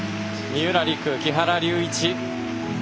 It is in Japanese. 三浦璃来、木原龍一。